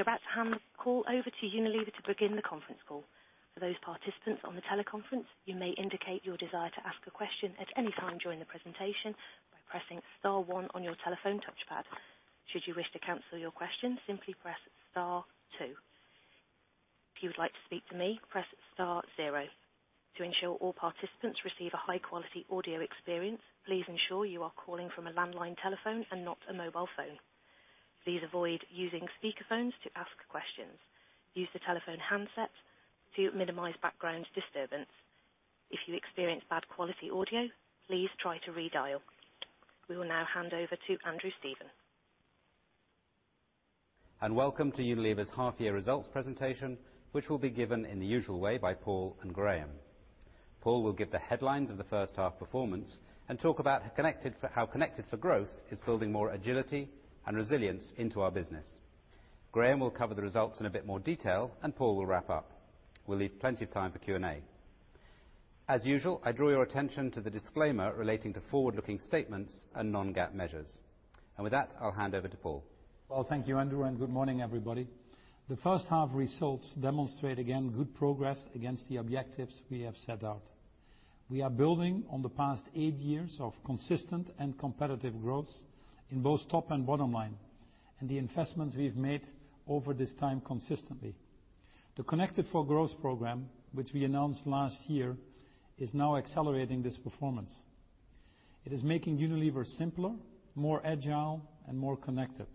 We are about to hand the call over to Unilever to begin the conference call. For those participants on the teleconference, you may indicate your desire to ask a question at any time during the presentation by pressing Star 1 on your telephone touchpad. Should you wish to cancel your question, simply press Star 2. If you would like to speak to me, press Star 0. To ensure all participants receive a high-quality audio experience, please ensure you are calling from a landline telephone and not a mobile phone. Please avoid using speakerphones to ask questions. Use the telephone handset to minimize background disturbance. If you experience bad quality audio, please try to redial. We will now hand over to Andrew Stephen. Welcome to Unilever's half-year results presentation, which will be given in the usual way by Paul and Graeme. Paul will give the headlines of the first half performance and talk about how Connected for Growth is building more agility and resilience into our business. Graeme will cover the results in a bit more detail, Paul will wrap up. We'll leave plenty of time for Q&A. As usual, I draw your attention to the disclaimer relating to forward-looking statements and non-GAAP measures. With that, I'll hand over to Paul. Thank you, Andrew, and good morning, everybody. The first half results demonstrate again good progress against the objectives we have set out. We are building on the past eight years of consistent and competitive growth in both top and bottom line, and the investments we have made over this time consistently. The Connected for Growth program, which we announced last year, is now accelerating this performance. It is making Unilever simpler, more agile, and more connected.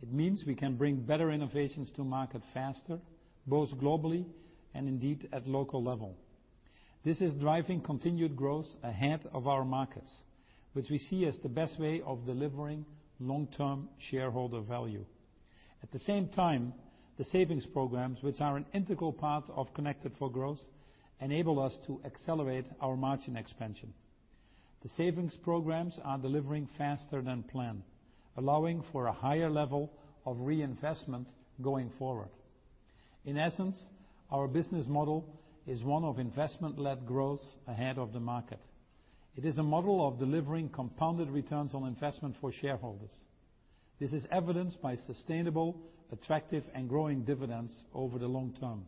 It means we can bring better innovations to market faster, both globally and indeed at local level. This is driving continued growth ahead of our markets, which we see as the best way of delivering long-term shareholder value. At the same time, the savings programs, which are an integral part of Connected for Growth, enable us to accelerate our margin expansion. The savings programs are delivering faster than planned, allowing for a higher level of reinvestment going forward. In essence, our business model is one of investment-led growth ahead of the market. It is a model of delivering compounded returns on investment for shareholders. This is evidenced by sustainable, attractive, and growing dividends over the long term.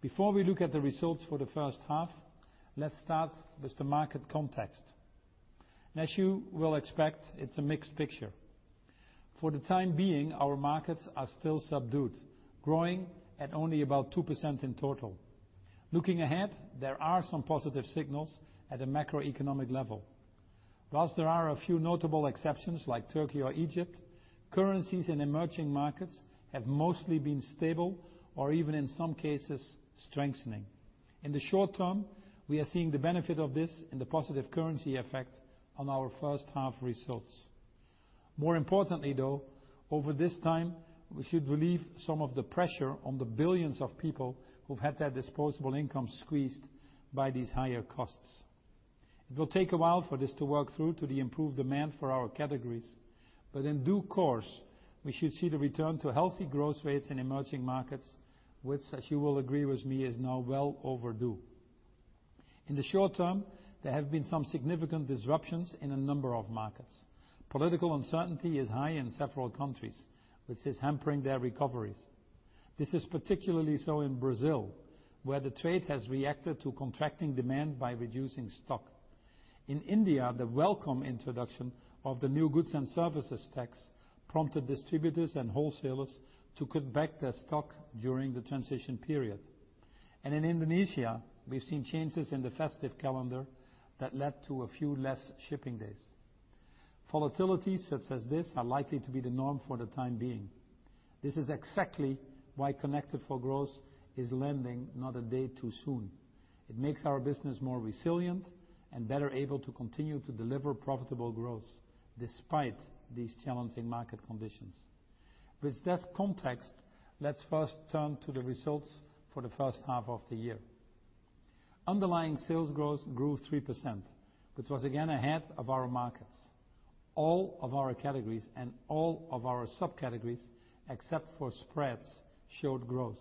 Before we look at the results for the first half, let's start with the market context. As you will expect, it's a mixed picture. For the time being, our markets are still subdued, growing at only about 2% in total. Looking ahead, there are some positive signals at a macroeconomic level. Whilst there are a few notable exceptions like Turkey or Egypt, currencies in emerging markets have mostly been stable, or even in some cases, strengthening. In the short term, we are seeing the benefit of this in the positive currency effect on our first half results. More importantly, though, over this time, we should relieve some of the pressure on the billions of people who've had their disposable income squeezed by these higher costs. It will take a while for this to work through to the improved demand for our categories, but in due course, we should see the return to healthy growth rates in emerging markets, which as you will agree with me, is now well overdue. In the short term, there have been some significant disruptions in a number of markets. Political uncertainty is high in several countries, which is hampering their recoveries. This is particularly so in Brazil, where the trade has reacted to contracting demand by reducing stock. In India, the welcome introduction of the new Goods and Services Tax prompted distributors and wholesalers to cut back their stock during the transition period. In Indonesia, we've seen changes in the festive calendar that led to a few less shipping days. Volatilities such as this are likely to be the norm for the time being. This is exactly why Connected for Growth is landing not a day too soon. It makes our business more resilient and better able to continue to deliver profitable growth despite these challenging market conditions. With that context, let's first turn to the results for the first half of the year. Underlying sales growth grew 3%, which was again ahead of our markets. All of our categories and all of our sub-categories, except for spreads, showed growth.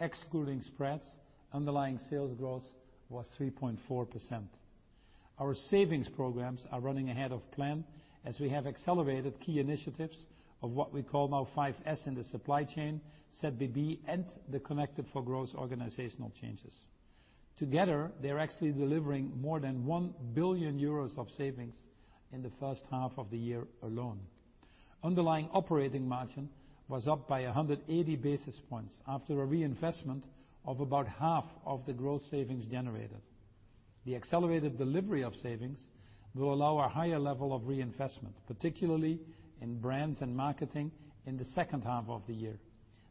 Excluding spreads, underlying sales growth was 3.4%. Our savings programs are running ahead of plan as we have accelerated key initiatives of what we call now 5S in the supply chain, ZBB, and the Connected for Growth organizational changes. Together, they're actually delivering more than 1 billion euros of savings in the first half of the year alone. Underlying operating margin was up by 180 basis points after a reinvestment of about half of the growth savings generated. The accelerated delivery of savings will allow a higher level of reinvestment, particularly in brands and marketing in the second half of the year.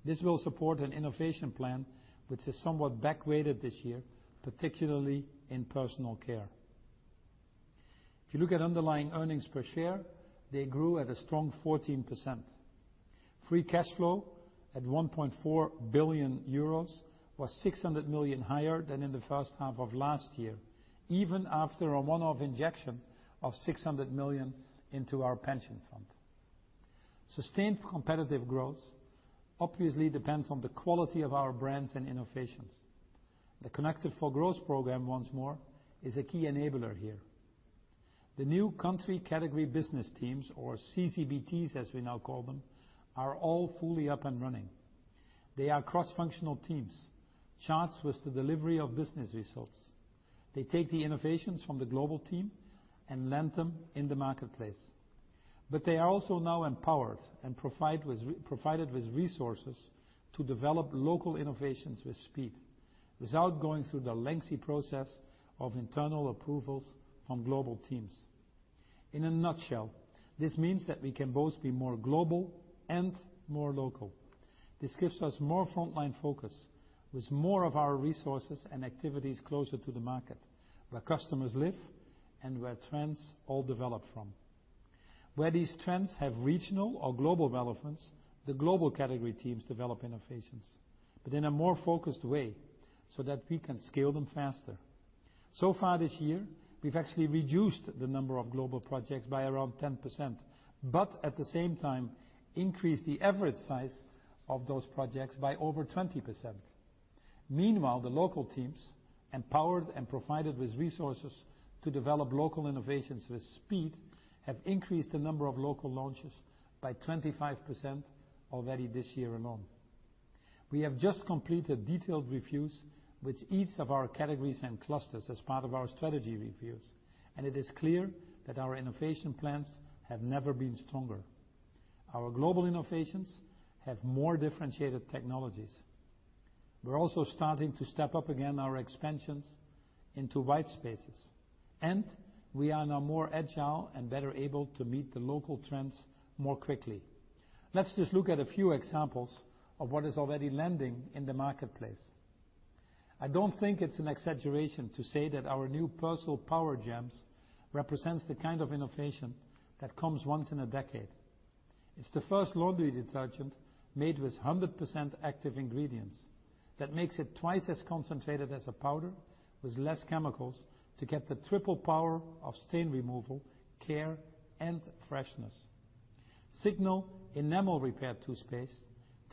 This will support an innovation plan which is somewhat back-weighted this year, particularly in personal care. If you look at underlying earnings per share, they grew at a strong 14%. Free cash flow at 1.4 billion euros was 600 million higher than in the first half of last year, even after a one-off injection of 600 million into our pension fund. Sustained competitive growth obviously depends on the quality of our brands and innovations. The Connected for Growth program once more is a key enabler here. The new Country Category Business Teams, or CCBTs as we now call them, are all fully up and running. They are cross-functional teams charged with the delivery of business results. They take the innovations from the global team and land them in the marketplace. They are also now empowered and provided with resources to develop local innovations with speed, without going through the lengthy process of internal approvals from global teams. In a nutshell, this means that we can both be more global and more local. This gives us more frontline focus with more of our resources and activities closer to the market, where customers live and where trends all develop from. Where these trends have regional or global relevance, the global category teams develop innovations, but in a more focused way so that we can scale them faster. So far this year, we've actually reduced the number of global projects by around 10%, but at the same time increased the average size of those projects by over 20%. Meanwhile, the local teams, empowered and provided with resources to develop local innovations with speed, have increased the number of local launches by 25% already this year alone. We have just completed detailed reviews with each of our categories and clusters as part of our strategy reviews, and it is clear that our innovation plans have never been stronger. Our global innovations have more differentiated technologies. We're also starting to step up again our expansions into white spaces, and we are now more agile and better able to meet the local trends more quickly. Let's just look at a few examples of what is already landing in the marketplace. I don't think it's an exaggeration to say that our new Persil Power Pearls represents the kind of innovation that comes once in a decade. It's the first laundry detergent made with 100% active ingredients. That makes it twice as concentrated as a powder with less chemicals to get the triple power of stain removal, care, and freshness. Signal Enamel Repair toothpaste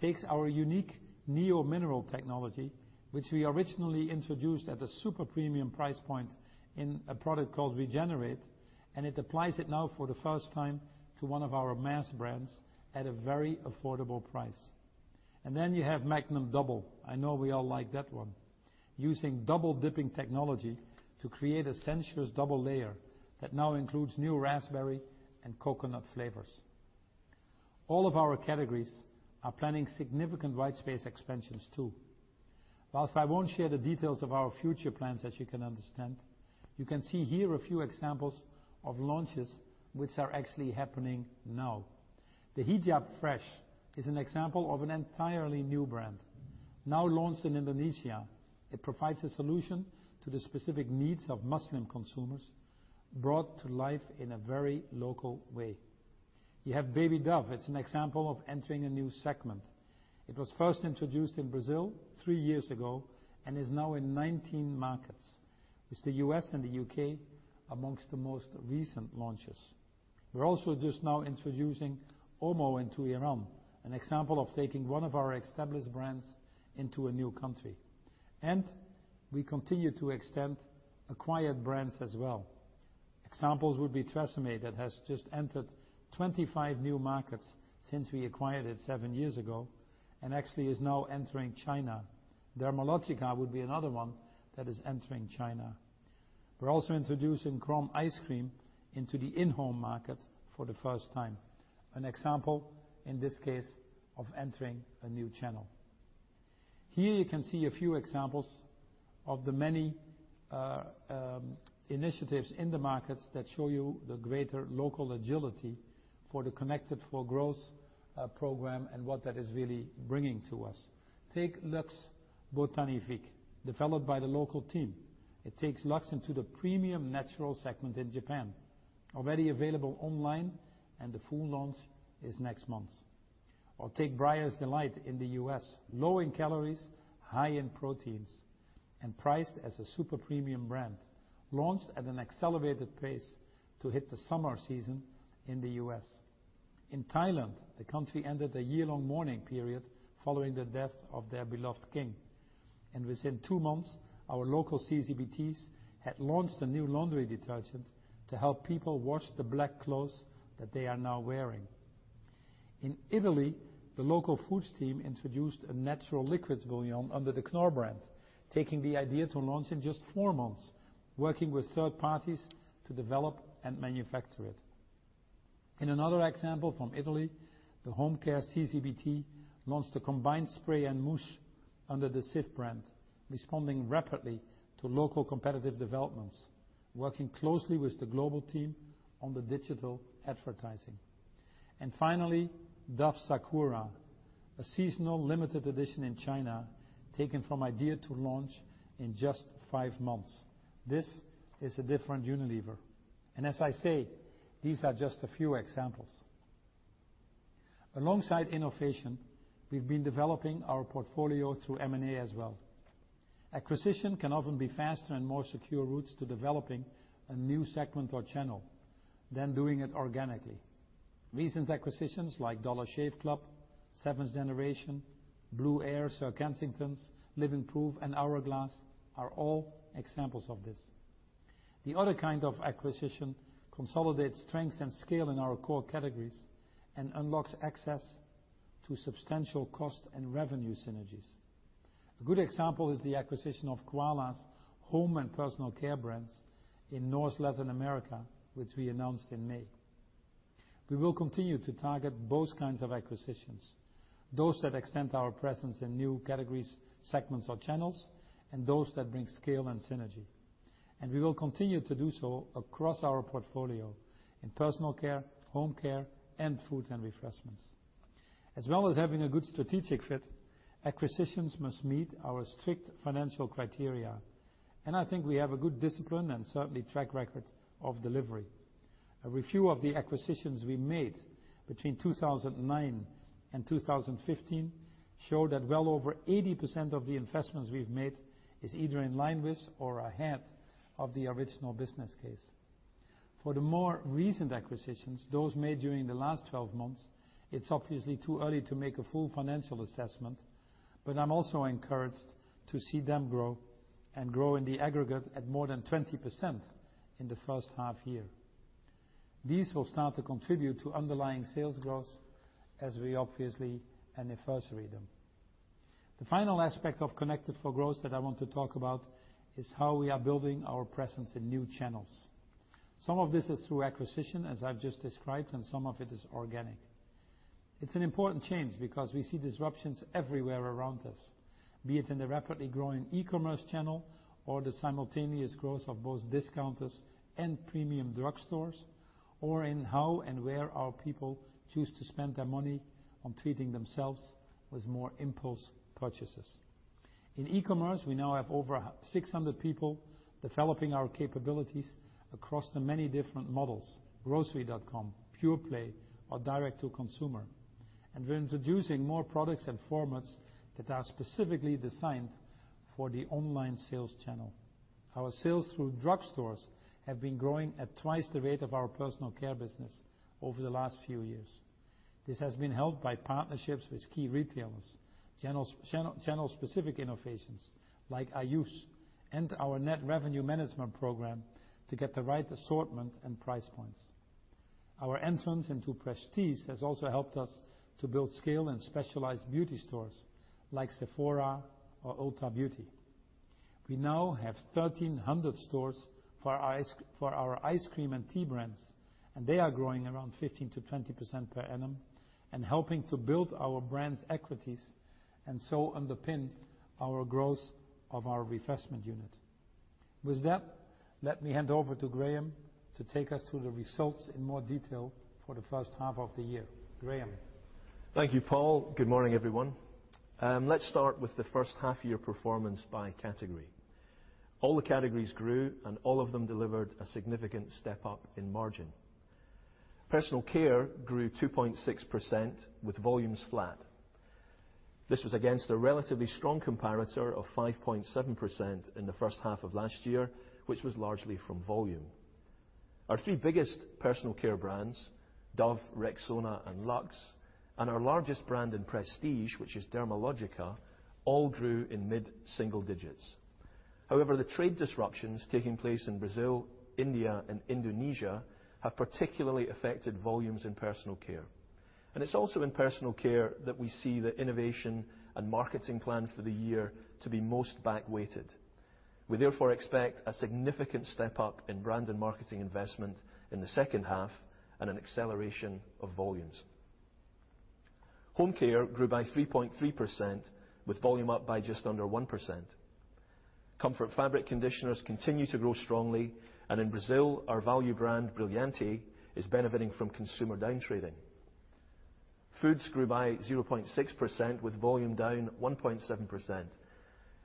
takes our unique neo-mineral technology, which we originally introduced at a super premium price point in a product called Regenerate, and it applies it now for the first time to one of our mass brands at a very affordable price. You have Magnum Double. I know we all like that one. Using double dipping technology to create a sensuous double layer that now includes new raspberry and coconut flavors. All of our categories are planning significant white space expansions too. Whilst I won't share the details of our future plans, as you can understand, you can see here a few examples of launches which are actually happening now. The Hijab Fresh is an example of an entirely new brand now launched in Indonesia. It provides a solution to the specific needs of Muslim consumers brought to life in a very local way. You have Baby Dove. It's an example of entering a new segment. It was first introduced in Brazil three years ago and is now in 19 markets, with the U.S. and the U.K. amongst the most recent launches. We're also just now introducing Omo into Iran, an example of taking one of our established brands into a new country. We continue to extend acquired brands as well. Examples would be TRESemmé, that has just entered 25 new markets since we acquired it seven years ago, and actually is now entering China. Dermalogica would be another one that is entering China. We're also introducing Grom ice cream into the in-home market for the first time. An example in this case of entering a new channel. Here you can see a few examples of the many initiatives in the markets that show you the greater local agility for the Connected for Growth program and what that is really bringing to us. Take Lux Botanicals, developed by the local team. It takes Lux into the premium natural segment in Japan, already available online, and the full launch is next month. Take Breyers Delights in the U.S., low in calories, high in proteins, and priced as a super premium brand, launched at an accelerated pace to hit the summer season in the U.S. In Thailand, the country ended a year-long mourning period following the death of their beloved king, and within two months, our local CCBTs had launched a new laundry detergent to help people wash the black clothes that they are now wearing. In Italy, the local foods team introduced a natural liquids bouillon under the Knorr brand, taking the idea to launch in just four months, working with third parties to develop and manufacture it. In another example from Italy, the home care CCBT launched a combined spray and mousse under the Cif brand, responding rapidly to local competitive developments, working closely with the global team on the digital advertising. Finally, Dove Sakura, a seasonal limited edition in China, taken from idea to launch in just five months. This is a different Unilever. As I say, these are just a few examples. Alongside innovation, we've been developing our portfolio through M&A as well. Acquisition can often be faster and more secure routes to developing a new segment or channel than doing it organically. Recent acquisitions like Dollar Shave Club, Seventh Generation, Blueair, Sir Kensington's, Living Proof, and Hourglass are all examples of this. The other kind of acquisition consolidates strength and scale in our core categories and unlocks access to substantial cost and revenue synergies. A good example is the acquisition of Quala's home and personal care brands in North Latin America, which we announced in May. We will continue to target both kinds of acquisitions, those that extend our presence in new categories, segments, or channels, and those that bring scale and synergy. We will continue to do so across our portfolio in personal care, home care, and food and refreshments. As well as having a good strategic fit, acquisitions must meet our strict financial criteria, and I think we have a good discipline and certainly track record of delivery. A review of the acquisitions we made between 2009 and 2015 show that well over 80% of the investments we've made is either in line with or ahead of the original business case. For the more recent acquisitions, those made during the last 12 months, it's obviously too early to make a full financial assessment, but I'm also encouraged to see them grow and grow in the aggregate at more than 20% in the first half year. These will start to contribute to underlying sales growth as we obviously anniversary them. The final aspect of Connected for Growth that I want to talk about is how we are building our presence in new channels. Some of this is through acquisition, as I've just described, and some of it is organic. It's an important change because we see disruptions everywhere around us, be it in the rapidly growing e-commerce channel or the simultaneous growth of both discounters and premium drugstores, or in how and where our people choose to spend their money on treating themselves with more impulse purchases. In e-commerce, we now have over 600 people developing our capabilities across the many different models, grocery.com, pure play, or direct to consumer. We're introducing more products and formats that are specifically designed for the online sales channel. Our sales through drugstores have been growing at twice the rate of our personal care business over the last few years. This has been helped by partnerships with key retailers, channel-specific innovations like iUse, and our net revenue management program to get the right assortment and price points. Our entrance into prestige has also helped us to build scale in specialized beauty stores like Sephora or Ulta Beauty. We now have 1,300 stores for our ice cream and tea brands, and they are growing around 15%-20% per annum and helping to build our brands' equities, and so underpin our growth of our refreshment unit. With that, let me hand over to Graeme to take us through the results in more detail for the first half of the year. Graeme? Thank you, Paul. Good morning, everyone. Let's start with the first half year performance by category. All the categories grew, and all of them delivered a significant step up in margin. Personal care grew 2.6% with volumes flat. This was against a relatively strong comparator of 5.7% in the first half of last year, which was largely from volume. Our three biggest personal care brands, Dove, Rexona, and Lux, and our largest brand in prestige, which is Dermalogica, all grew in mid-single digits. However, the trade disruptions taking place in Brazil, India, and Indonesia have particularly affected volumes in personal care. It's also in personal care that we see the innovation and marketing plan for the year to be most back-weighted. We therefore expect a significant step up in brand and marketing investment in the second half and an acceleration of volumes. Home care grew by 3.3%, with volume up by just under 1%. Comfort fabric conditioners continue to grow strongly, and in Brazil, our value brand Brilhante is benefiting from consumer downtrading. Foods grew by 0.6%, with volume down 1.7%.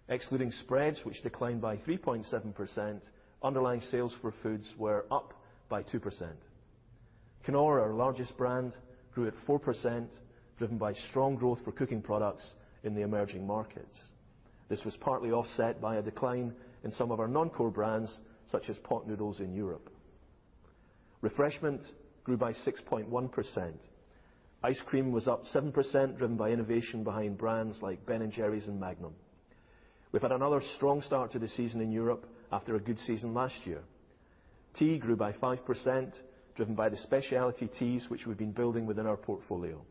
Excluding spreads, which declined by 3.7%, underlying sales for foods were up by 2%. Knorr, our largest brand, grew at 4%, driven by strong growth for cooking products in the emerging markets. This was partly offset by a decline in some of our non-core brands, such as Pot Noodle in Europe. Refreshment grew by 6.1%. Ice cream was up 7%, driven by innovation behind brands like Ben & Jerry's and Magnum. We've had another strong start to the season in Europe after a good season last year. Tea grew by 5%, driven by the specialty teas which we've been building within our portfolio.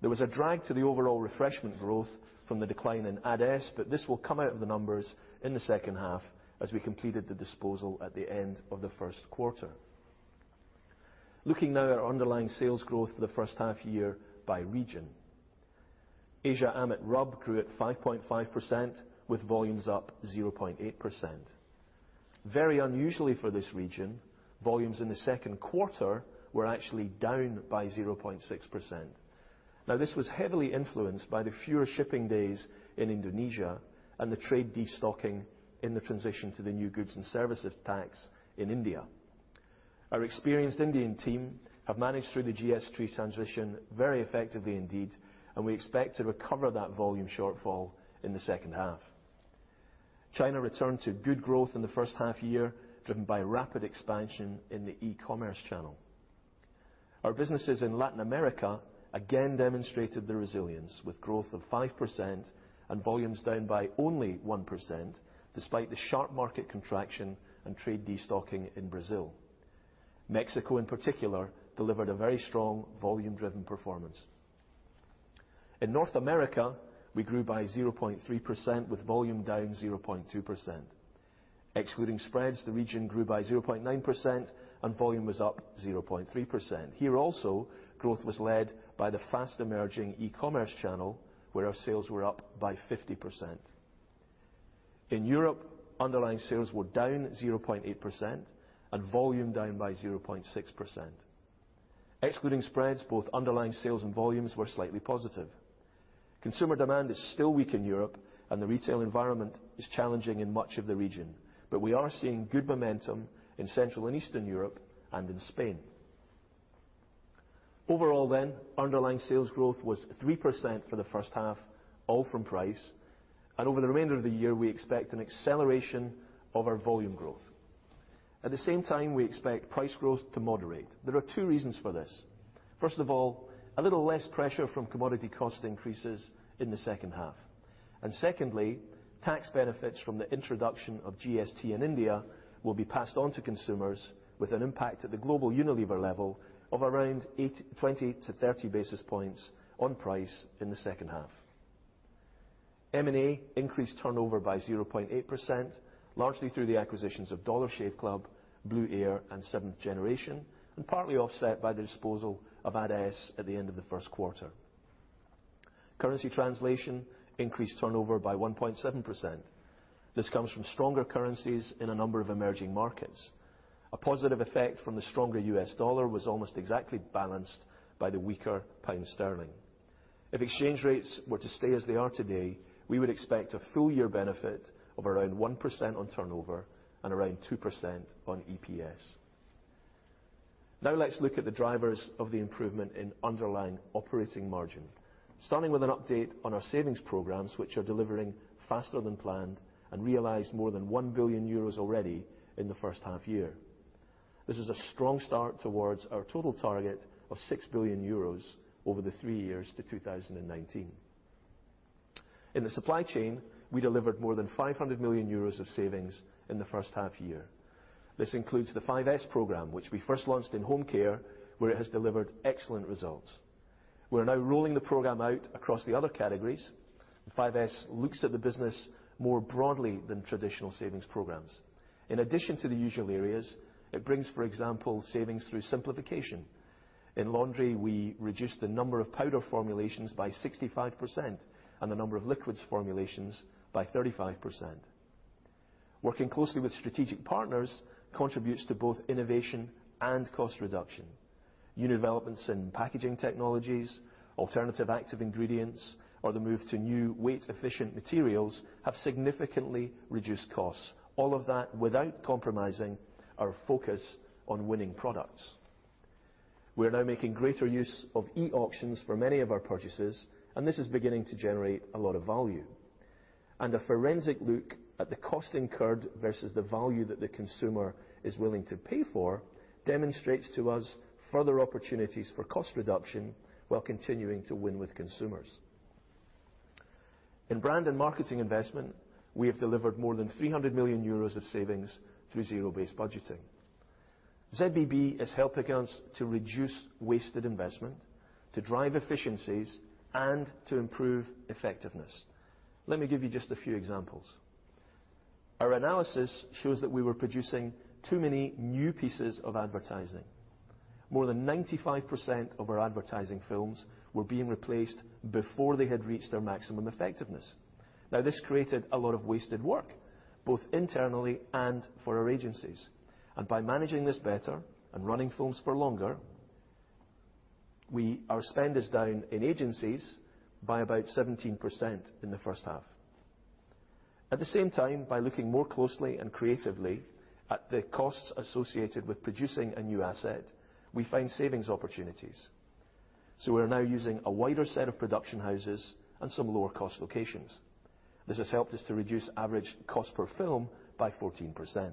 There was a drag to the overall refreshment growth from the decline in AdeS, but this will come out of the numbers in the second half as we completed the disposal at the end of the first quarter. Looking now at our underlying sales growth for the first half year by region. Asia AMET RUB grew at 5.5% with volumes up 0.8%. Very unusually for this region, volumes in the second quarter were actually down by 0.6%. This was heavily influenced by the fewer shipping days in Indonesia and the trade destocking in the transition to the new goods and services tax in India. Our experienced Indian team have managed through the GST transition very effectively indeed, and we expect to recover that volume shortfall in the second half. China returned to good growth in the first half year, driven by rapid expansion in the e-commerce channel. Our businesses in Latin America again demonstrated their resilience, with growth of 5% and volumes down by only 1%, despite the sharp market contraction and trade destocking in Brazil. Mexico, in particular, delivered a very strong volume-driven performance. In North America, we grew by 0.3%, with volume down 0.2%. Excluding spreads, the region grew by 0.9% and volume was up 0.3%. Here also, growth was led by the fast-emerging e-commerce channel, where our sales were up by 50%. In Europe, underlying sales were down 0.8% and volume down by 0.6%. Excluding spreads, both underlying sales and volumes were slightly positive. Consumer demand is still weak in Europe and the retail environment is challenging in much of the region. We are seeing good momentum in Central and Eastern Europe and in Spain. Overall, underlying sales growth was 3% for the first half, all from price, and over the remainder of the year, we expect an acceleration of our volume growth. At the same time, we expect price growth to moderate. There are two reasons for this. First of all, a little less pressure from commodity cost increases in the second half. Secondly, tax benefits from the introduction of GST in India will be passed on to consumers with an impact at the global Unilever level of around 20-30 basis points on price in the second half. M&A increased turnover by 0.8%, largely through the acquisitions of Dollar Shave Club, Blueair, and Seventh Generation, and partly offset by the disposal of AdeS at the end of the first quarter. Currency translation increased turnover by 1.7%. This comes from stronger currencies in a number of emerging markets. A positive effect from the stronger US dollar was almost exactly balanced by the weaker pound sterling. If exchange rates were to stay as they are today, we would expect a full year benefit of around 1% on turnover and around 2% on EPS. Let's look at the drivers of the improvement in underlying operating margin. Starting with an update on our savings programs, which are delivering faster than planned and realized more than 1 billion euros already in the first half year. This is a strong start towards our total target of 6 billion euros over the three years to 2019. In the supply chain, we delivered more than 500 million euros of savings in the first half year. This includes the 5S program, which we first launched in home care, where it has delivered excellent results. We are now rolling the program out across the other categories. The 5S looks at the business more broadly than traditional savings programs. In addition to the usual areas, it brings, for example, savings through simplification. In laundry, we reduced the number of powder formulations by 65% and the number of liquids formulations by 35%. Working closely with strategic partners contributes to both innovation and cost reduction. New developments in packaging technologies, alternative active ingredients, or the move to new weight-efficient materials have significantly reduced costs. All of that without compromising our focus on winning products. We are now making greater use of e-auctions for many of our purchases, this is beginning to generate a lot of value. A forensic look at the cost incurred versus the value that the consumer is willing to pay for demonstrates to us further opportunities for cost reduction while continuing to win with consumers. In brand and marketing investment, we have delivered more than 300 million euros of savings through zero-based budgeting. ZBB is helping us to reduce wasted investment, to drive efficiencies, and to improve effectiveness. Let me give you just a few examples. Our analysis shows that we were producing too many new pieces of advertising. More than 95% of our advertising films were being replaced before they had reached their maximum effectiveness. This created a lot of wasted work, both internally and for our agencies. By managing this better and running films for longer, our spend is down in agencies by about 17% in the first half. At the same time, by looking more closely and creatively at the costs associated with producing a new asset, we find savings opportunities. We are now using a wider set of production houses and some lower-cost locations. This has helped us to reduce average cost per film by 14%.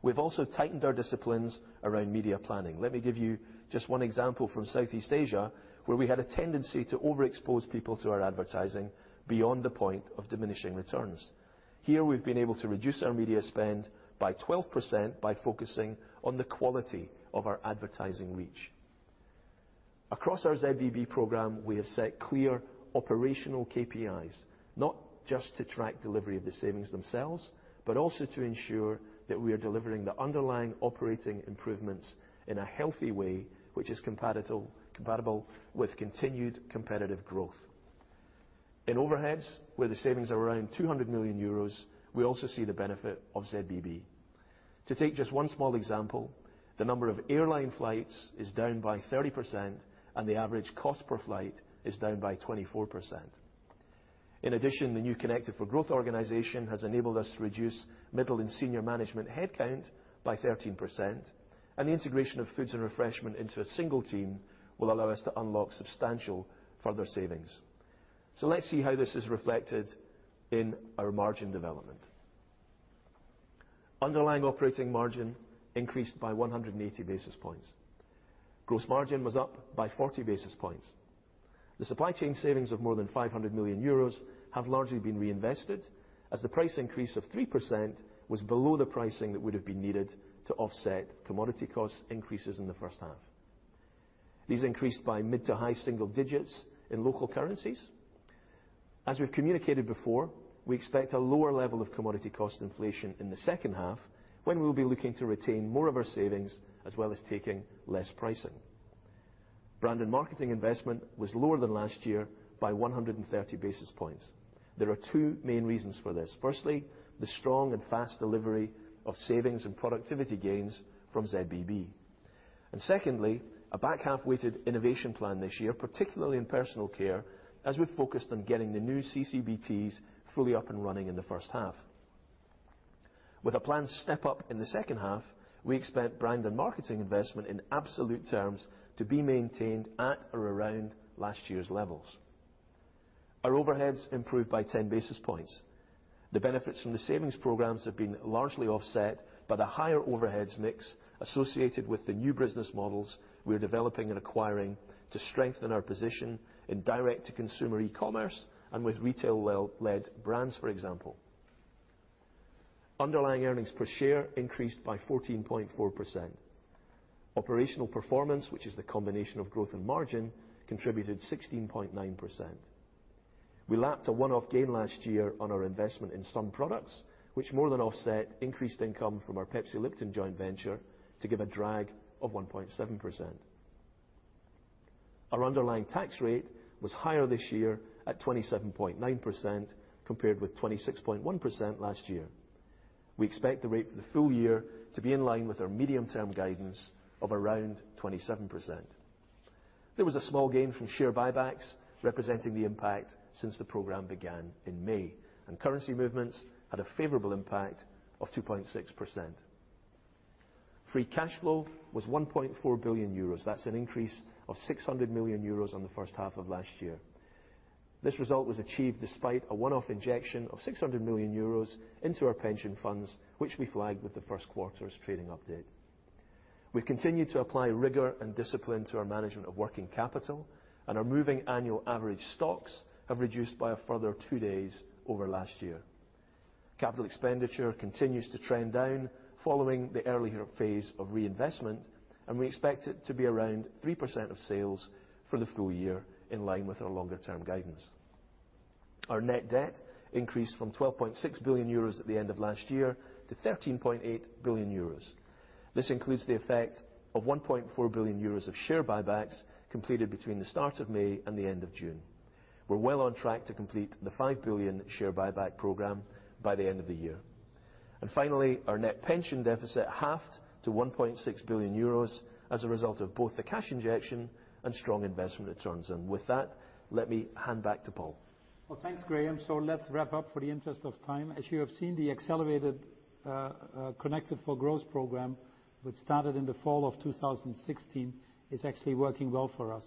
We've also tightened our disciplines around media planning. Let me give you just one example from Southeast Asia, where we had a tendency to overexpose people to our advertising beyond the point of diminishing returns. Here, we've been able to reduce our media spend by 12% by focusing on the quality of our advertising reach. Across our ZBB program, we have set clear operational KPIs, not just to track delivery of the savings themselves, but also to ensure that we are delivering the underlying operating improvements in a healthy way, which is compatible with continued competitive growth. In overheads, where the savings are around 200 million euros, we also see the benefit of ZBB. To take just one small example, the number of airline flights is down by 30% and the average cost per flight is down by 24%. In addition, the new Connected for Growth organization has enabled us to reduce middle and senior management headcount by 13%, the integration of foods and refreshment into a single team will allow us to unlock substantial further savings. Let's see how this is reflected in our margin development. Underlying operating margin increased by 180 basis points. Gross margin was up by 40 basis points. The supply chain savings of more than 500 million euros have largely been reinvested as the price increase of 3% was below the pricing that would have been needed to offset commodity cost increases in the first half. These increased by mid to high single digits in local currencies. As we've communicated before, we expect a lower level of commodity cost inflation in the second half, when we'll be looking to retain more of our savings as well as taking less pricing. Brand and marketing investment was lower than last year by 130 basis points. There are two main reasons for this. Firstly, the strong and fast delivery of savings and productivity gains from ZBB. Secondly, a back-half-weighted innovation plan this year, particularly in personal care, as we've focused on getting the new CCBTs fully up and running in the first half. With a planned step-up in the second half, we expect brand and marketing investment in absolute terms to be maintained at or around last year's levels. Our overheads improved by 10 basis points. The benefits from the savings programs have been largely offset by the higher overheads mix associated with the new business models we're developing and acquiring to strengthen our position in direct-to-consumer e-commerce and with retail-led brands, for example. Underlying earnings per share increased by 14.4%. Operational performance, which is the combination of growth and margin, contributed 16.9%. We lapped a one-off gain last year on our investment in some products, which more than offset increased income from our Pepsi Lipton joint venture to give a drag of 1.7%. Our underlying tax rate was higher this year at 27.9%, compared with 26.1% last year. We expect the rate for the full year to be in line with our medium-term guidance of around 27%. There was a small gain from share buybacks representing the impact since the program began in May, and currency movements had a favorable impact of 2.6%. Free cash flow was 1.4 billion euros. That's an increase of 600 million euros on the first half of last year. This result was achieved despite a one-off injection of 600 million euros into our pension funds, which we flagged with the first quarter's trading update. We've continued to apply rigor and discipline to our management of working capital, and our moving annual average stocks have reduced by a further two days over last year. Capital expenditure continues to trend down following the earlier phase of reinvestment, and we expect it to be around 3% of sales for the full year, in line with our longer-term guidance. Our net debt increased from 12.6 billion euros at the end of last year to 13.8 billion euros. This includes the effect of 1.4 billion euros of share buybacks completed between the start of May and the end of June. We're well on track to complete the 5 billion share buyback program by the end of the year. Finally, our net pension deficit halved to 1.6 billion euros as a result of both the cash injection and strong investment returns. With that, let me hand back to Paul. Well, thanks, Graeme. Let's wrap up for the interest of time. As you have seen, the accelerated Connected for Growth program, which started in the fall of 2016, is actually working well for us.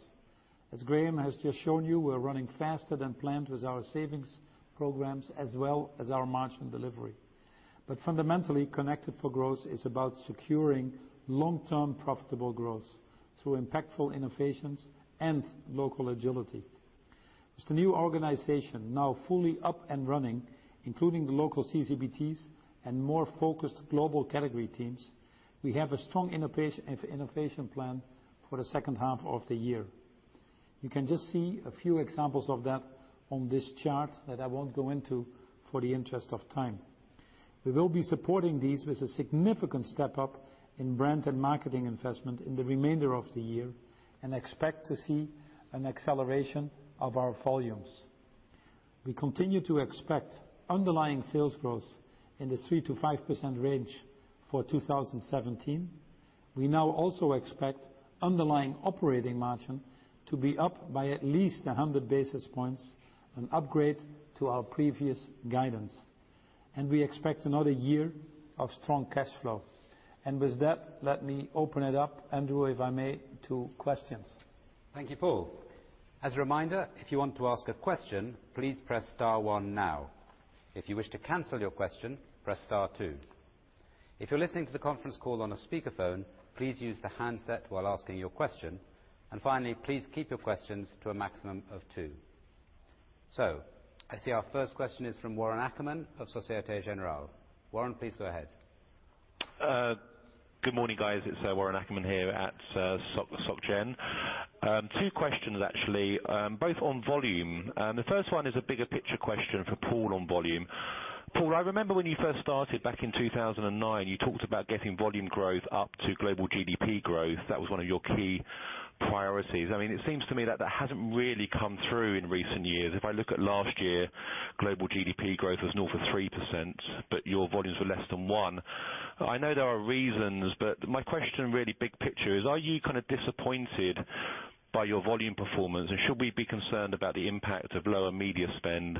As Graeme has just shown you, we're running faster than planned with our savings programs as well as our margin delivery. Fundamentally, Connected for Growth is about securing long-term profitable growth through impactful innovations and local agility. With the new organization now fully up and running, including the local CCBTs and more focused global category teams, we have a strong innovation plan for the second half of the year. You can just see a few examples of that on this chart that I won't go into for the interest of time. We will be supporting these with a significant step-up in brand and marketing investment in the remainder of the year and expect to see an acceleration of our volumes. We continue to expect underlying sales growth in the 3%-5% range for 2017. We now also expect underlying operating margin to be up by at least 100 basis points, an upgrade to our previous guidance. With that, let me open it up, Andrew, if I may, to questions. Thank you, Paul. As a reminder, if you want to ask a question, please press star one now. If you wish to cancel your question, press star two. If you're listening to the conference call on a speakerphone, please use the handset while asking your question. Finally, please keep your questions to a maximum of two. I see our first question is from Warren Ackerman of Societe Generale. Warren, please go ahead. Good morning, guys. It's Warren Ackerman here at Soc Gen. Two questions actually, both on volume. The first one is a bigger picture question for Paul on volume. Paul, I remember when you first started back in 2009, you talked about getting volume growth up to global GDP growth. That was one of your key priorities. It seems to me that that hasn't really come through in recent years. If I look at last year, global GDP growth was north of 3%, but your volumes were less than one. I know there are reasons, but my question really big picture is, are you kind of disappointed by your volume performance? Should we be concerned about the impact of lower media spend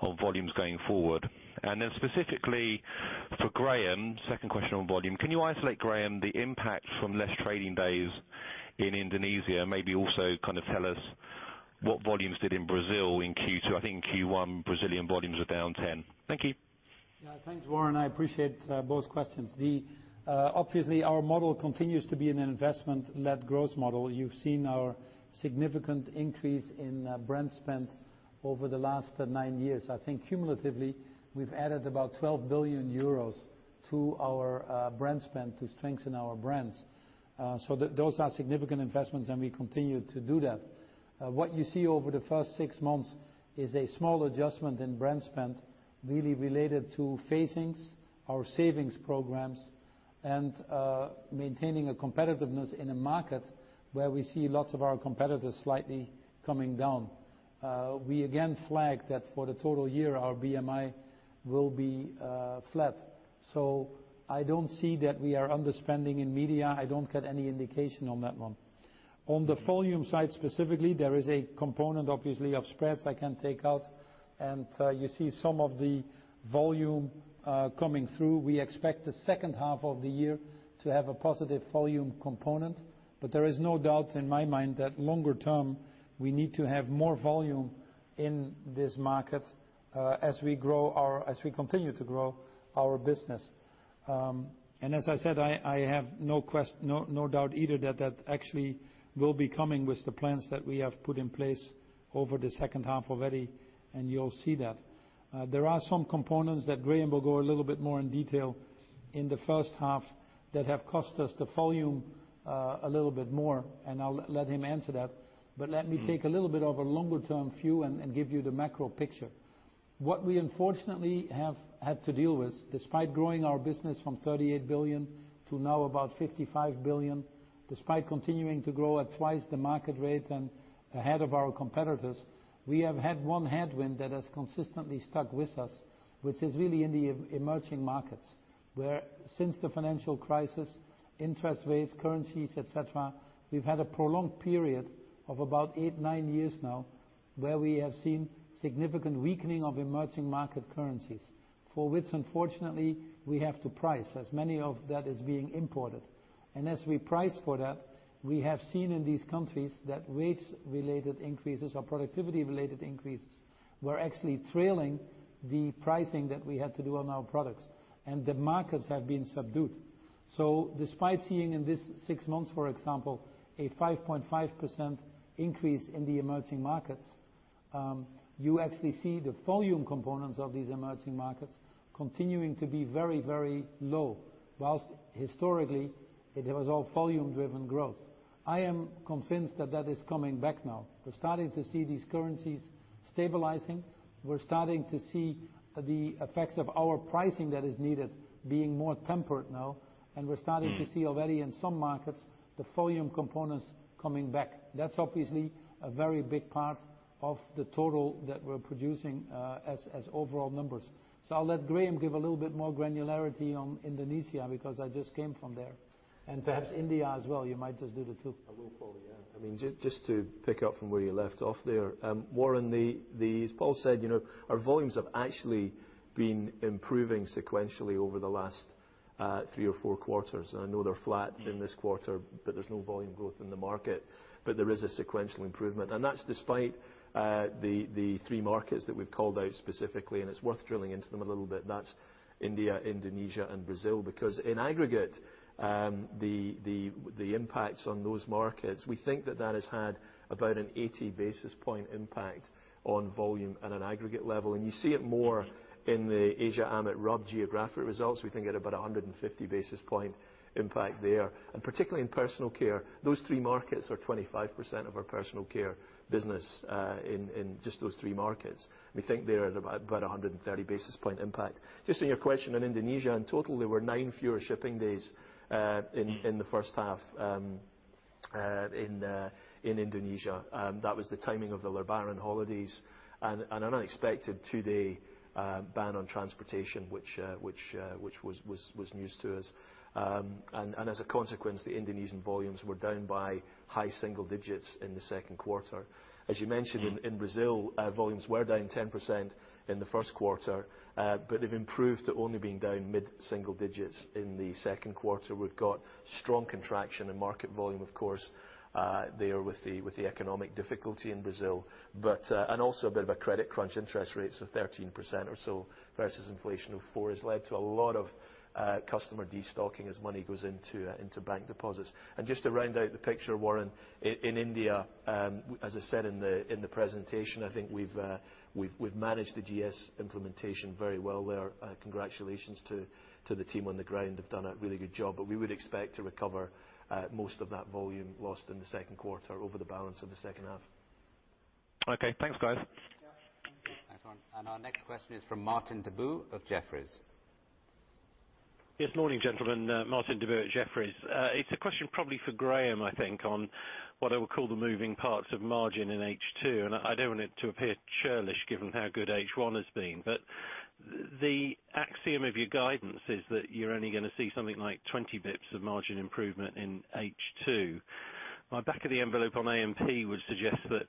on volumes going forward? Then specifically for Graeme, second question on volume. Can you isolate, Graeme, the impact from less trading days in Indonesia? Maybe also kind of tell us What volumes did in Brazil in Q2? I think in Q1, Brazilian volumes were down 10. Thank you. Yeah. Thanks, Warren. I appreciate both questions. Obviously, our model continues to be an investment-led growth model. You've seen our significant increase in brand spend over the last nine years. I think cumulatively, we've added about 12 billion euros to our brand spend to strengthen our brands. Those are significant investments, and we continue to do that. What you see over the first six months is a small adjustment in brand spend, really related to phasings, our savings programs, and maintaining a competitiveness in a market where we see lots of our competitors slightly coming down. We again flagged that for the total year, our BMI will be flat. I don't see that we are underspending in media. I don't get any indication on that one. On the volume side specifically, there is a component, obviously, of spreads I can take out, and you see some of the volume coming through. We expect the second half of the year to have a positive volume component. There is no doubt in my mind that longer term, we need to have more volume in this market as we continue to grow our business. As I said, I have no doubt either that that actually will be coming with the plans that we have put in place over the second half already, and you'll see that. There are some components that Graeme will go a little bit more in detail in the first half that have cost us the volume a little bit more, and I'll let him answer that. Let me take a little bit of a longer-term view and give you the macro picture. What we unfortunately have had to deal with, despite growing our business from 38 billion to now about 55 billion, despite continuing to grow at twice the market rate and ahead of our competitors, we have had one headwind that has consistently stuck with us, which is really in the emerging markets, where since the financial crisis, interest rates, currencies, et cetera, we've had a prolonged period of about eight, nine years now, where we have seen significant weakening of emerging market currencies, for which, unfortunately, we have to price, as many of that is being imported. As we price for that, we have seen in these countries that wage-related increases or productivity-related increases were actually trailing the pricing that we had to do on our products, and the markets have been subdued. Despite seeing in this 6 months, for example, a 5.5% increase in the emerging markets, you actually see the volume components of these emerging markets continuing to be very low, while historically, it was all volume-driven growth. I am convinced that is coming back now. We're starting to see these currencies stabilizing. We're starting to see the effects of our pricing that is needed being more tempered now, we're starting to see already in some markets the volume components coming back. That's obviously a very big part of the total that we're producing as overall numbers. I'll let Graeme give a little bit more granularity on Indonesia, because I just came from there, and perhaps India as well. You might just do the two. I will, Paul. Just to pick up from where you left off there. Warren, as Paul said, our volumes have actually been improving sequentially over the last three or four quarters. I know they're flat in this quarter, there's no volume growth in the market. There is a sequential improvement, that's despite the three markets that we've called out specifically, it's worth drilling into them a little bit. That's India, Indonesia, and Brazil. In aggregate, the impacts on those markets, we think that has had about an 80 basis point impact on volume at an aggregate level. You see it more in the Asia AMET RUB geographic results. We think at about 150 basis point impact there. Particularly in personal care, those three markets are 25% of our personal care business, in just those three markets. We think they're at about 130 basis point impact. Just on your question on Indonesia, in total, there were nine fewer shipping days in the first half in Indonesia. That was the timing of the Lebaran holidays and an unexpected two-day ban on transportation, which was news to us. As a consequence, the Indonesian volumes were down by high single digits in the second quarter. As you mentioned, in Brazil, volumes were down 10% in the first quarter, they've improved to only being down mid-single digits in the second quarter. We've got strong contraction in market volume, of course, there with the economic difficulty in Brazil. Also a bit of a credit crunch, interest rates of 13% or so, versus inflation of four, has led to a lot of customer de-stocking as money goes into bank deposits. Just to round out the picture, Warren, in India, as I said in the presentation, I think we've managed the GST implementation very well there. Congratulations to the team on the ground. They've done a really good job. We would expect to recover most of that volume lost in the second quarter over the balance of the second half. Okay. Thanks, guys. Yeah. Thank you. Thanks, Warren. Our next question is from Martin Deboo of Jefferies. Yes. Morning, gentlemen. Martin Deboo at Jefferies. It's a question probably for Graeme, I think, on what I will call the moving parts of margin in H2. I don't want it to appear churlish given how good H1 has been. The axiom of your guidance is that you're only going to see something like 20 basis points of margin improvement in H2. My back of the envelope on A&P would suggest that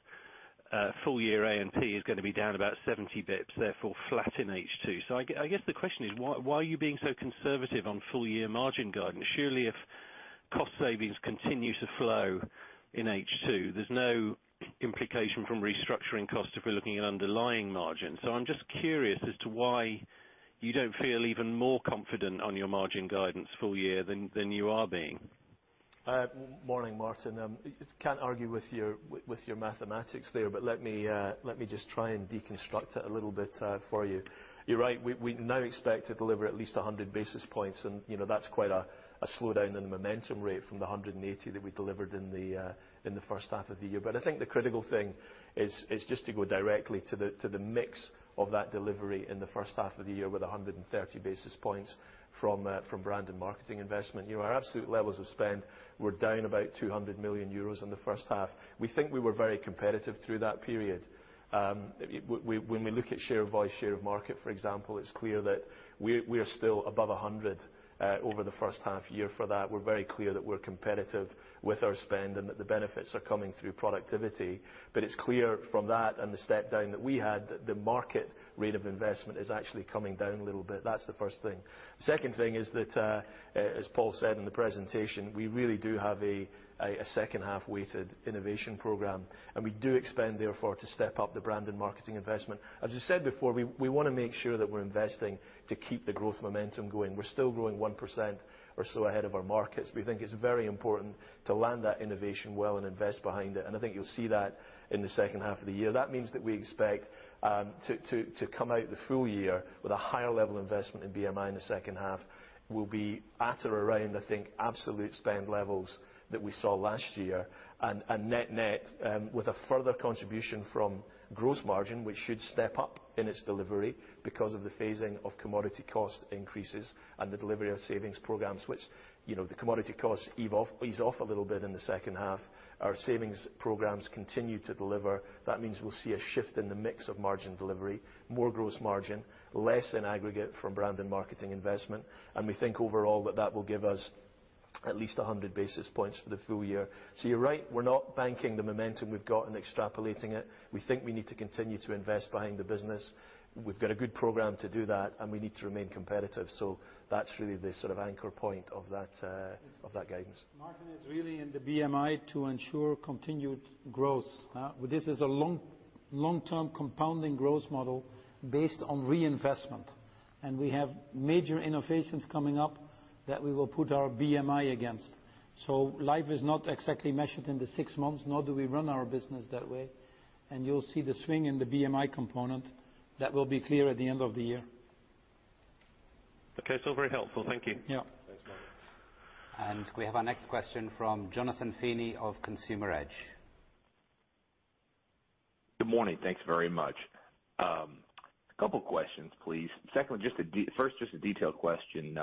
full-year A&P is going to be down about 70 basis points, therefore flat in H2. I guess the question is, why are you being so conservative on full-year margin guidance? Surely if cost savings continue to flow in H2. There's no implication from restructuring costs if we're looking at underlying margins. I'm just curious as to why you don't feel even more confident on your margin guidance full year than you are being. Morning, Martin. Can't argue with your mathematics there. Let me just try and deconstruct it a little bit for you. You're right, we now expect to deliver at least 100 basis points. That's quite a slowdown in the momentum rate from the 180 that we delivered in the first half of the year. I think the critical thing is just to go directly to the mix of that delivery in the first half of the year with 130 basis points from brand and marketing investment. Our absolute levels of spend were down about 200 million euros in the first half. We think we were very competitive through that period. When we look at share of voice, share of market, for example, it's clear that we are still above 100 over the first half year for that. We're very clear that we're competitive with our spend and that the benefits are coming through productivity. It's clear from that and the step down that we had, that the market rate of investment is actually coming down a little bit. That's the first thing. The second thing is that, as Paul said in the presentation, we really do have a second-half weighted innovation program. We do expand therefore to step up the brand and marketing investment. As you said before, we want to make sure that we're investing to keep the growth momentum going. We're still growing 1% or so ahead of our markets. We think it's very important to land that innovation well and invest behind it. I think you'll see that in the second half of the year. That means that we expect to come out the full year with a higher level investment in BMI in the second half. We'll be at or around, I think, absolute spend levels that we saw last year. Net net with a further contribution from gross margin, which should step up in its delivery because of the phasing of commodity cost increases and the delivery of savings programs, which the commodity costs ease off a little bit in the second half. Our savings programs continue to deliver. That means we'll see a shift in the mix of margin delivery, more gross margin, less in aggregate from brand and marketing investment. We think overall that that will give us at least 100 basis points for the full year. You're right, we're not banking the momentum we've got and extrapolating it. We think we need to continue to invest behind the business. We've got a good program to do that. We need to remain competitive. That's really the sort of anchor point of that guidance. Martin, it's really in the BMI to ensure continued growth. This is a long-term compounding growth model based on reinvestment, and we have major innovations coming up that we will put our BMI against. Life is not exactly measured in the six months, nor do we run our business that way, and you'll see the swing in the BMI component that will be clear at the end of the year. Okay. Still very helpful. Thank you. Yeah. Thanks, Martin. We have our next question from Jonathan Feeney of Consumer Edge. Good morning. Thanks very much. A couple questions, please. First, just a detailed question.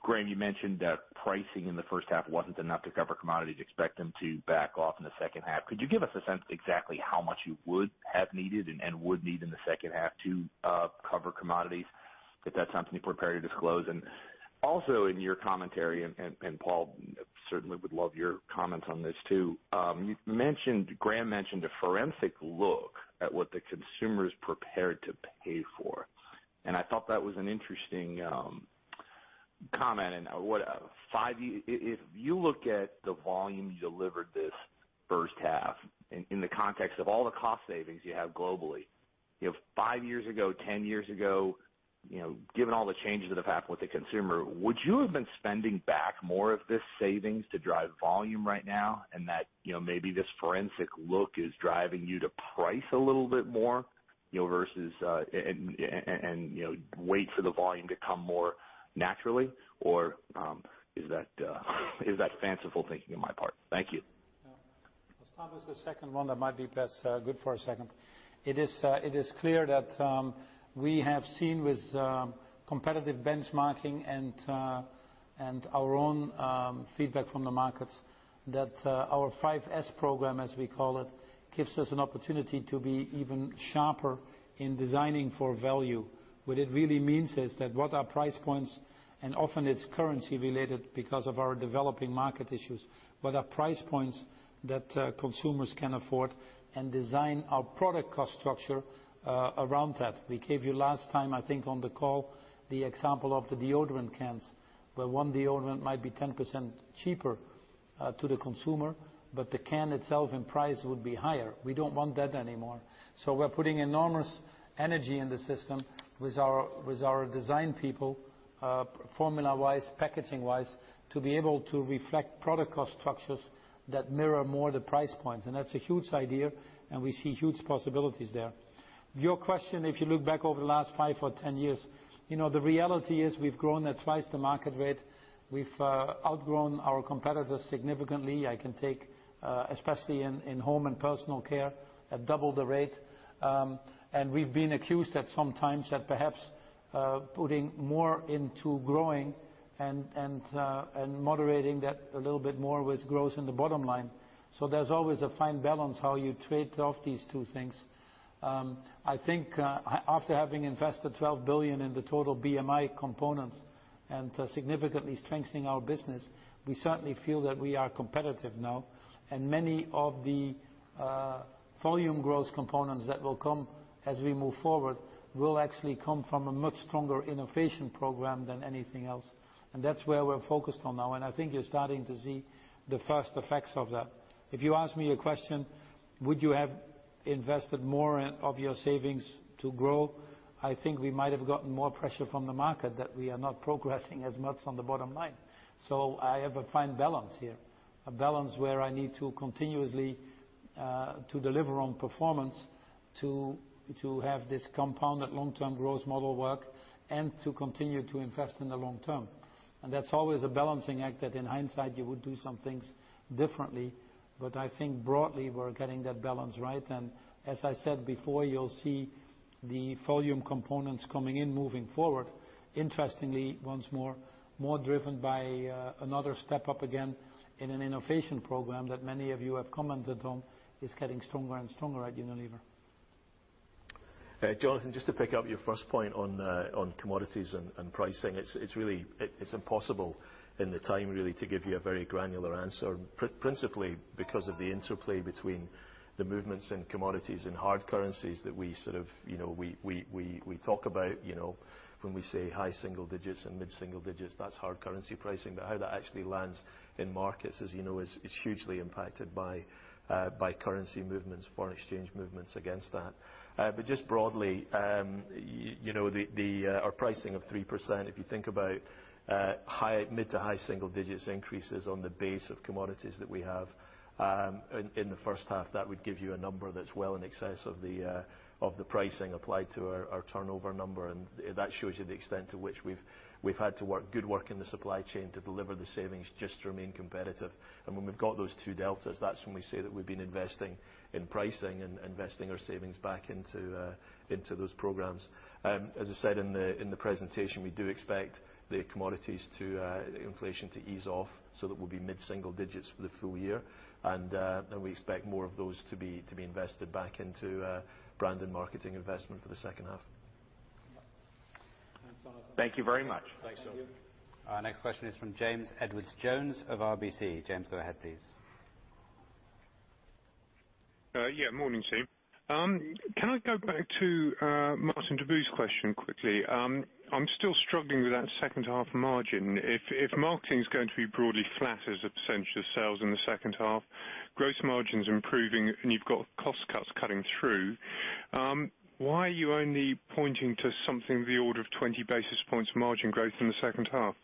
Graeme, you mentioned that pricing in the first half wasn't enough to cover commodities, expect them to back off in the second half. Could you give us a sense exactly how much you would have needed and would need in the second half to cover commodities? If that's something you're prepared to disclose. Also, in your commentary, Paul, certainly would love your comments on this, too. Graeme mentioned a forensic look at what the consumer is prepared to pay for, I thought that was an interesting comment. If you look at the volume you delivered this first half in the context of all the cost savings you have globally, five years ago, 10 years ago, given all the changes that have happened with the consumer, would you have been spending back more of this savings to drive volume right now? That maybe this forensic look is driving you to price a little bit more and wait for the volume to come more naturally? Is that fanciful thinking on my part? Thank you. I'll start with the second one, that might be best. Good for a second. It is clear that we have seen with competitive benchmarking and our own feedback from the markets that our 5S program, as we call it, gives us an opportunity to be even sharper in designing for value. What it really means is that what our price points, often it's currency related because of our developing market issues, what are price points that consumers can afford and design our product cost structure around that. We gave you last time, I think, on the call, the example of the deodorant cans, where one deodorant might be 10% cheaper to the consumer, but the can itself in price would be higher. We don't want that anymore. We're putting enormous energy in the system with our design people, formula-wise, packaging-wise, to be able to reflect product cost structures that mirror more the price points. That's a huge idea and we see huge possibilities there. Your question, if you look back over the last five or 10 years, the reality is we've grown at twice the market rate. We've outgrown our competitors significantly. I can take, especially in home and personal care, at double the rate. We've been accused at some times at perhaps putting more into growing and moderating that a little bit more with growth in the bottom line. There's always a fine balance how you trade off these two things. I think after having invested 12 billion in the total BMI components and significantly strengthening our business, we certainly feel that we are competitive now. Many of the volume growth components that will come as we move forward will actually come from a much stronger innovation program than anything else. That's where we're focused on now. I think you're starting to see the first effects of that. If you ask me a question, would you have invested more of your savings to grow? I think we might have gotten more pressure from the market that we are not progressing as much on the bottom line. I have a fine balance here. A balance where I need to continuously deliver on performance to have this compounded long-term growth model work, and to continue to invest in the long term. That's always a balancing act that in hindsight you would do some things differently. I think broadly, we're getting that balance right. As I said before, you'll see the volume components coming in moving forward. Interestingly, once more, more driven by another step up again in an innovation program that many of you have commented on is getting stronger and stronger at Unilever. Jonathan, just to pick up your first point on commodities and pricing. It's impossible in the time really to give you a very granular answer. Principally, because of the interplay between the movements in commodities and hard currencies that we talk about. When we say high single digits and mid-single digits, that's hard currency pricing. How that actually lands in markets, as you know, is hugely impacted by currency movements, foreign exchange movements against that. Just broadly, our pricing of 3%, if you think about mid to high single digits increases on the base of commodities that we have in the first half, that would give you a number that's well in excess of the pricing applied to our turnover number. That shows you the extent to which we've had to work, good work in the supply chain to deliver the savings just to remain competitive. When we've got those two deltas, that's when we say that we've been investing in pricing and investing our savings back into those programs. As I said in the presentation, we do expect the commodities inflation to ease off so that we'll be mid-single digits for the full year. We expect more of those to be invested back into brand and marketing investment for the second half. Thanks, Jonathan. Thank you very much. Thanks. Thank you. Our next question is from James Edwardes Jones of RBC. James, go ahead please. Yeah. Morning, team. Can I go back to Martin Deboo's question quickly? I'm still struggling with that second half margin. If marketing is going to be broadly flat as a % of sales in the second half, gross margin's improving and you've got cost cuts cutting through, why are you only pointing to something in the order of 20 basis points margin growth in the second half?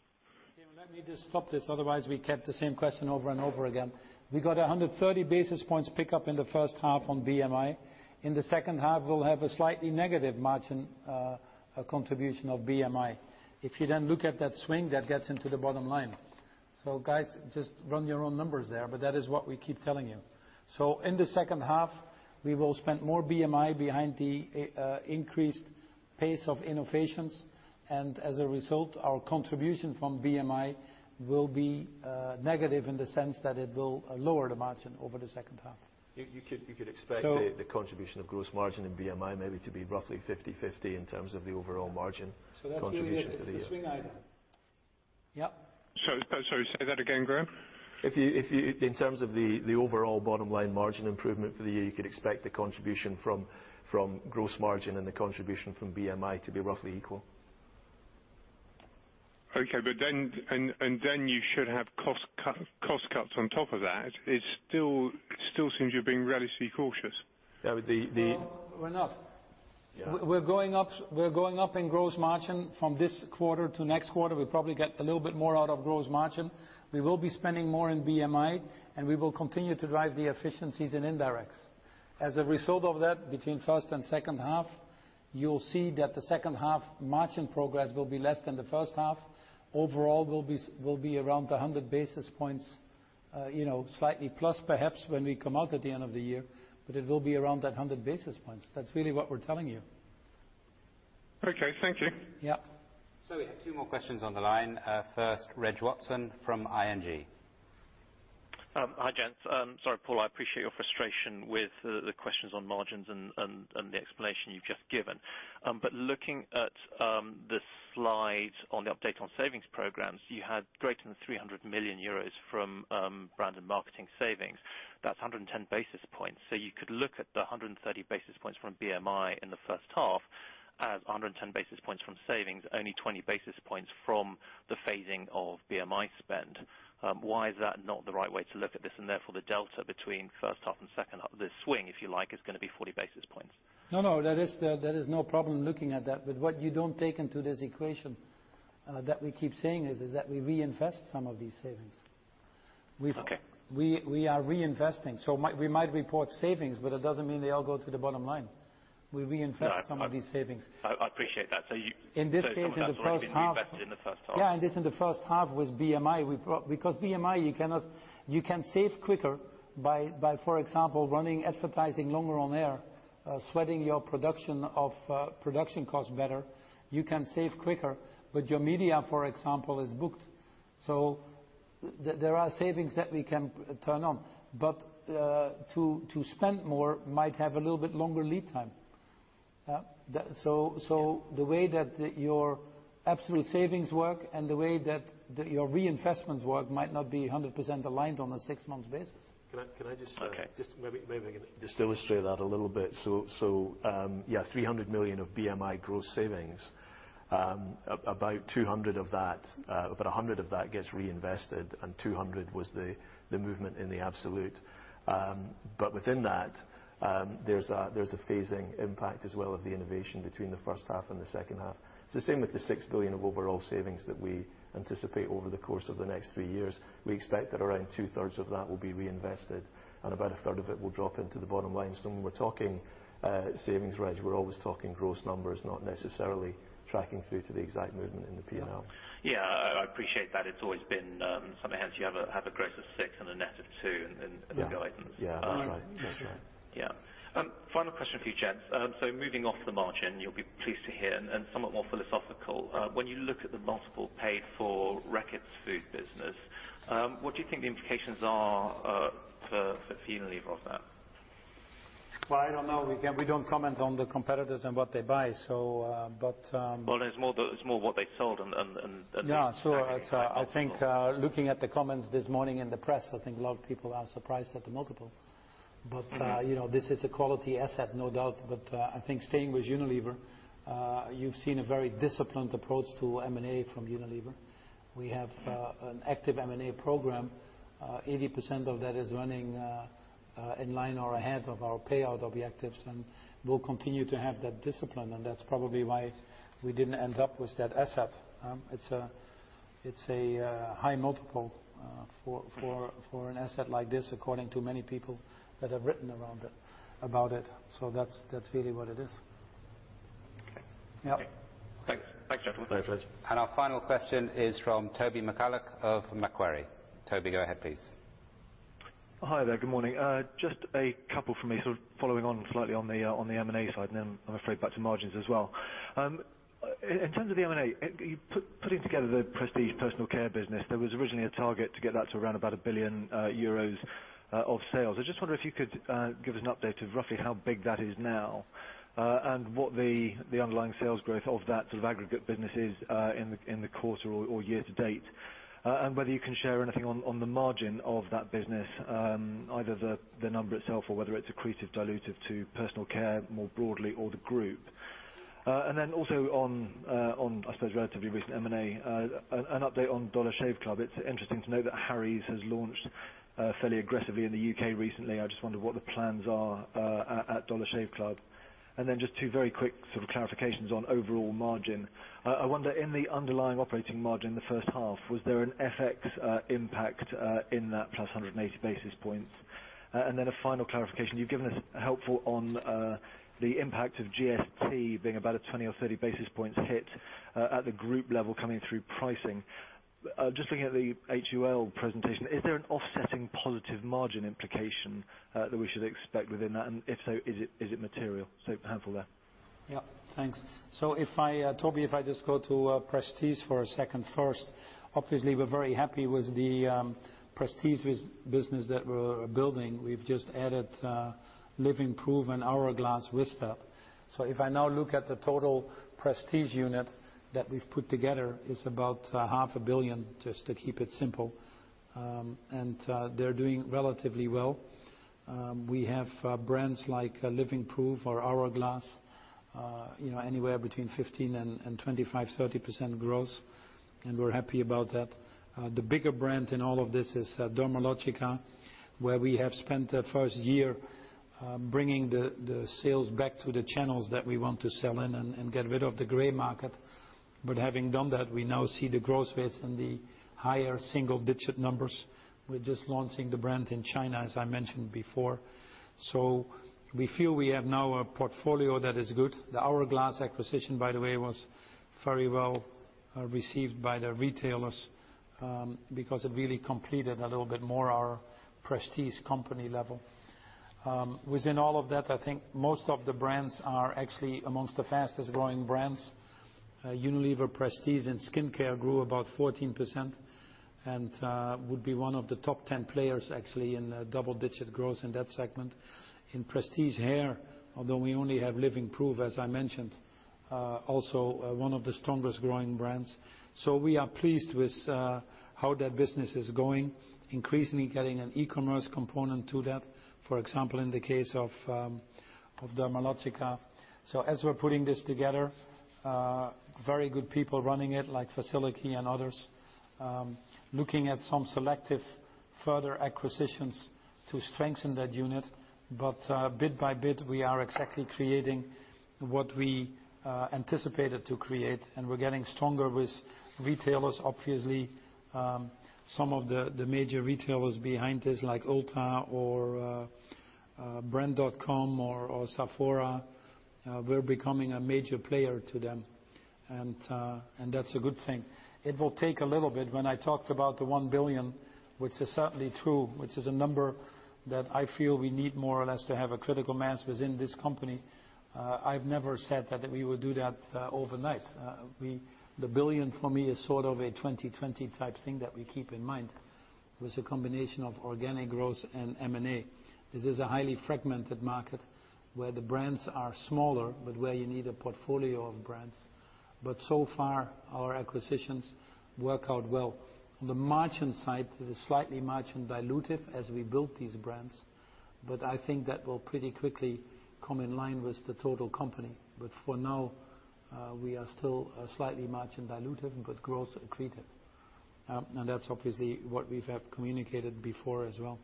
James, let me just stop this, otherwise we get the same question over and over again. We got 130 basis points pick up in the first half on BMI. In the second half, we'll have a slightly negative margin, contribution of BMI. If you look at that swing, that gets into the bottom line. Guys, just run your own numbers there, that is what we keep telling you. In the second half, we will spend more BMI behind the increased pace of innovations. As a result, our contribution from BMI will be negative in the sense that it will lower the margin over the second half. You could expect the contribution of gross margin in BMI maybe to be roughly 50/50 in terms of the overall margin contribution for the year. That's really, it's the swing item. Yep. Sorry, say that again, Graeme. In terms of the overall bottom line margin improvement for the year, you could expect the contribution from gross margin and the contribution from BMI to be roughly equal. Okay. Then you should have cost cuts on top of that. It still seems you're being relatively cautious. Yeah, but the- No, we're not. Yeah. We're going up in gross margin from this quarter to next quarter. We'll probably get a little bit more out of gross margin. We will be spending more in BMI, and we will continue to drive the efficiencies in indirects. As a result of that, between first and second half, you'll see that the second half margin progress will be less than the first half. Overall, we'll be around 100 basis points, slightly plus perhaps when we come out at the end of the year, but it will be around that 100 basis points. That's really what we're telling you. Okay. Thank you. Yeah. We have two more questions on the line. First, Reg Watson from ING. Hi, gents. Sorry, Paul, I appreciate your frustration with the questions on margins and the explanation you've just given. Looking at the slide on the update on savings programs, you had greater than 300 million euros from brand and marketing savings. That's 110 basis points. You could look at the 130 basis points from BMI in the first half as 110 basis points from savings, only 20 basis points from the phasing of BMI spend. Why is that not the right way to look at this? Therefore the delta between first half and second half, the swing, if you like, is going to be 40 basis points. No, there is no problem looking at that. What you don't take into this equation that we keep saying is that we reinvest some of these savings. Okay. We are reinvesting. We might report savings, but it doesn't mean they all go to the bottom line. We reinvest some of these savings. I appreciate that. In this case, in the first half. Some of that will have been reinvested in the first half. This in the first half was BMI. BMI, you can save quicker by, for example, running advertising longer on air, sweating your production cost better. You can save quicker, but your media, for example, is booked. There are savings that we can turn on. To spend more might have a little bit longer lead time. Yeah. The way that your absolute savings work, and the way that your reinvestments work might not be 100% aligned on a six-month basis. Can I just. Okay. Maybe I can just illustrate that a little bit. Yeah, 300 million of BMI gross savings, about 100 of that gets reinvested, and 200 was the movement in the absolute. Within that, there's a phasing impact as well of the innovation between the first half and the second half. It's the same with the 6 billion of overall savings that we anticipate over the course of the next three years. We expect that around two-thirds of that will be reinvested, and about a third of it will drop into the bottom line. When we're talking savings, Reg, we're always talking gross numbers, not necessarily tracking through to the exact movement in the P&L. Yeah. I appreciate that. It's always been something hence you have a gross of six and a net of two in the guidance. Yeah. That's right. Yeah. Final question for you gents. Moving off the margin, you'll be pleased to hear, and somewhat more philosophical. When you look at the multiple paid for Reckitt's food business, what do you think the implications are for Unilever of that? Well, I don't know. We don't comment on the competitors and what they buy. Well, it's more what they sold and the fact that it's high multiple. Yeah. I think looking at the comments this morning in the press, I think a lot of people are surprised at the multiple. This is a quality asset, no doubt. I think staying with Unilever, you've seen a very disciplined approach to M&A from Unilever. We have an active M&A program. 80% of that is running in line or ahead of our payout objectives, and we'll continue to have that discipline, and that's probably why we didn't end up with that asset. It's a high multiple for an asset like this, according to many people that have written about it. That's really what it is. Okay. Yeah. Okay. Thanks, gentlemen. Thanks, Reg. Our final question is from Toby McCullagh of Macquarie. Toby, go ahead, please. Hi there. Good morning. Just a couple from me, sort of following on slightly on the M&A side, then I'm afraid back to margins as well. In terms of the M&A, putting together the Prestige Personal Care business, there was originally a target to get that to around about 1 billion euros of sales. I just wonder if you could give us an update of roughly how big that is now, and what the underlying sales growth of that sort of aggregate business is in the quarter or year to date. Whether you can share anything on the margin of that business, either the number itself or whether it's accretive, dilutive to personal care more broadly or the group. Also on, I suppose, relatively recent M&A, an update on Dollar Shave Club. It's interesting to know that Harry's has launched fairly aggressively in the U.K. recently. I just wonder what the plans are at Dollar Shave Club. Just two very quick sort of clarifications on overall margin. I wonder, in the underlying operating margin the first half, was there an FX impact in that plus 180 basis points? A final clarification. You've given us helpful on the impact of GST being about a 20 or 30 basis points hit at the group level coming through pricing. Just looking at the HUL presentation, is there an offsetting positive margin implication that we should expect within that? If so, is it material? Helpful there. Yeah, thanks. Toby, if I just go to Prestige for a second first. Obviously, we're very happy with the Prestige business that we're building. We've just added Living Proof and Hourglass recently. If I now look at the total Prestige unit that we've put together, it's about half a billion, just to keep it simple. They're doing relatively well. We have brands like Living Proof or Hourglass, anywhere between 15% and 25%, 30% growth, and we're happy about that. The bigger brand in all of this is Dermalogica, where we have spent the first year bringing the sales back to the channels that we want to sell in and get rid of the gray market. Having done that, we now see the growth rates in the higher single-digit numbers. We're just launching the brand in China, as I mentioned before. We feel we have now a portfolio that is good. The Hourglass acquisition, by the way, was very well received by the retailers, because it really completed a little bit more our Prestige company level. Within all of that, I think most of the brands are actually amongst the fastest-growing brands. Unilever Prestige in skincare grew about 14% and would be one of the top 10 players, actually, in double-digit growth in that segment. In Prestige hair, although we only have Living Proof, as I mentioned, also one of the strongest growing brands. We are pleased with how that business is going. Increasingly getting an e-commerce component to that, for example, in the case of Dermalogica. As we're putting this together, very good people running it, like Vasiliki and others. Looking at some selective further acquisitions to strengthen that unit. Bit by bit, we are exactly creating what we anticipated to create, and we're getting stronger with retailers. Obviously, some of the major retailers behind this, like Ulta or brand.com or Sephora, we're becoming a major player to them. That's a good thing. It will take a little bit. When I talked about the 1 billion, which is certainly true, which is a number that I feel we need more or less to have a critical mass within this company. I've never said that we would do that overnight. The 1 billion for me is sort of a 2020 type thing that we keep in mind. With a combination of organic growth and M&A. This is a highly fragmented market where the brands are smaller, but where you need a portfolio of brands. So far, our acquisitions work out well. On the margin side, it is slightly margin dilutive as we build these brands, I think that will pretty quickly come in line with the total company. For now, we are still slightly margin dilutive, but growth accretive. That's obviously what we have communicated before as well.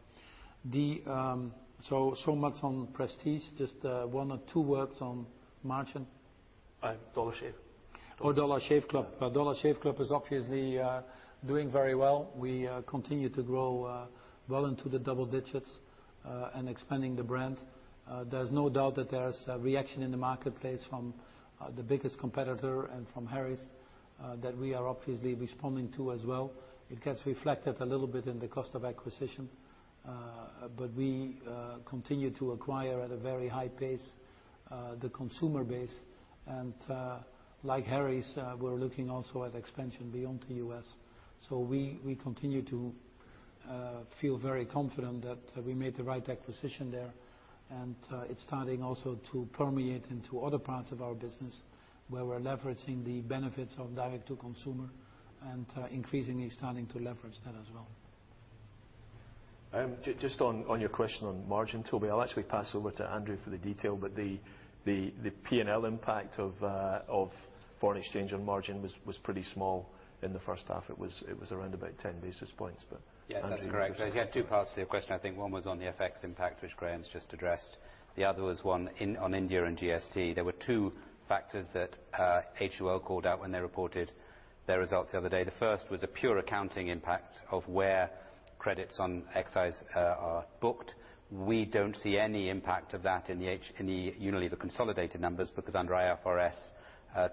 Much on prestige. Just one or two words on margin? Dollar Shave Club is obviously doing very well. We continue to grow well into the double digits, and expanding the brand. There's no doubt that there's a reaction in the marketplace from the biggest competitor and from Harry's, that we are obviously responding to as well. It gets reflected a little bit in the cost of acquisition. We continue to acquire at a very high pace, the consumer base. Like Harry's, we're looking also at expansion beyond the U.S. We continue to feel very confident that we made the right acquisition there, it's starting also to permeate into other parts of our business where we're leveraging the benefits of direct to consumer and increasingly starting to leverage that as well. Just on your question on margin, Toby, I'll actually pass over to Andrew for the detail, the P&L impact of foreign exchange on margin was pretty small in the first half. It was around about 10 basis points. Andrew Yes, that's correct. You had two parts to your question, I think one was on the FX impact, which Graeme's just addressed. The other was one on India and GST. There were two factors that HUL called out when they reported their results the other day. The first was a pure accounting impact of where credits on excise are booked. We don't see any impact of that in the Unilever consolidated numbers because under IFRS,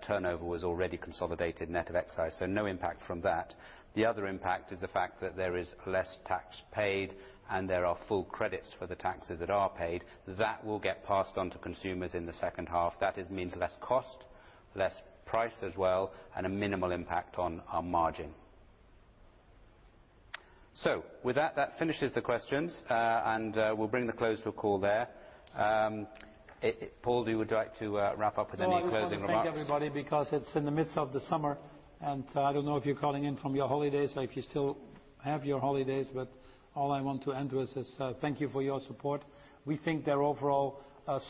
turnover was already consolidated net of excise, no impact from that. The other impact is the fact that there is less tax paid and there are full credits for the taxes that are paid. That will get passed on to consumers in the second half. That just means less cost, less price as well, and a minimal impact on our margin. With that finishes the questions, and we'll bring the close to a call there. Paul, would you like to wrap up with any closing remarks? I just want to thank everybody because it's in the midst of the summer, and I don't know if you're calling in from your holidays or if you still have your holidays, but all I want to end with is thank you for your support. We think they're overall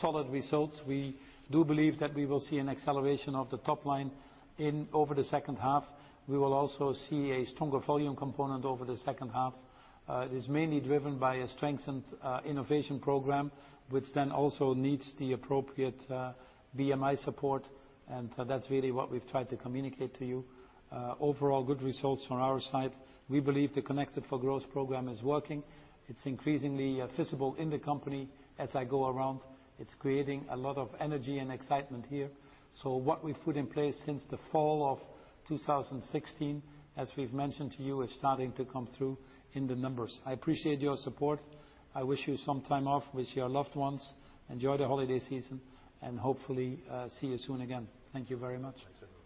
solid results. We do believe that we will see an acceleration of the top line over the second half. We will also see a stronger volume component over the second half. It is mainly driven by a strengthened innovation program, which then also needs the appropriate BMI support, and that's really what we've tried to communicate to you. Overall good results from our side. We believe the Connected for Growth program is working. It's increasingly visible in the company as I go around. It's creating a lot of energy and excitement here. What we've put in place since the fall of 2016, as we've mentioned to you, is starting to come through in the numbers. I appreciate your support. I wish you some time off with your loved ones. Enjoy the holiday season, and hopefully, see you soon again. Thank you very much. Thanks, everyone.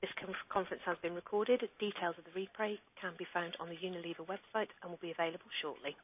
This conference has been recorded. Details of the replay can be found on the Unilever website and will be available shortly.